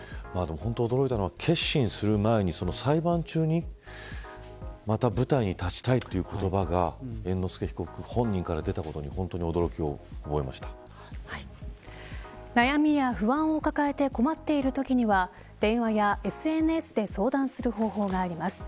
驚いたのは結審する前に裁判中にまた舞台に立ちたいという言葉が猿之助被告本人から出たことに悩みや不安を抱えて困っているときには電話やＳＮＳで相談する方法があります。